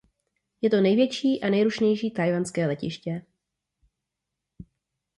Je to největší a nejrušnější tchajwanské letiště.